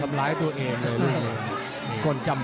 ทำรายตัวเองครับ